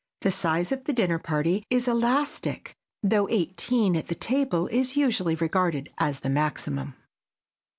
The size of the dinner party is elastic, though eighteen at the table is usually regarded as the maximum.